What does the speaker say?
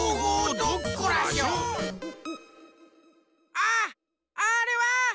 あっあれは！